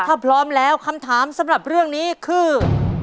ถ้าพร้อมแล้วคำถามสำหรับเรื่องนี้คือ